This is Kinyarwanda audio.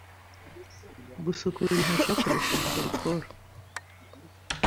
gusukura intoki hakoreshejwe arukoro